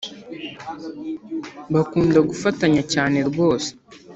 Bakunda gufatanya cyane rwose